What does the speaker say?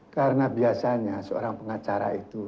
karena biasanya seorang pengacara itu